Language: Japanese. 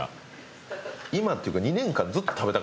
今っていうか。